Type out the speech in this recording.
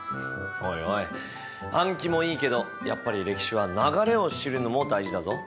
おいおい暗記もいいけどやっぱり歴史は流れを知るのも大事だぞ。